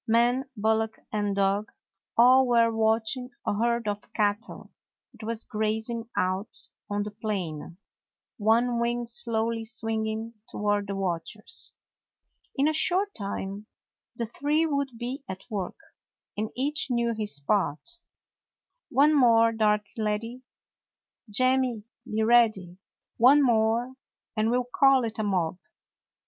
Man, bullock, and dog — all were watching a herd of cattle that was grazing out on the plain, one wing slowly swinging toward the watchers. In a short time the three would be at work, and each knew his part. "One more, Darky lad; Jemmy, be ready. One more, and we 'll call it a mob.